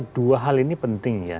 dua hal ini penting ya